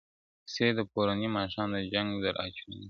کيسې د پروني ماښام د جنگ در اچوم,